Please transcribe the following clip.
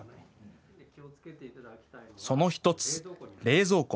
その１つ、冷蔵庫。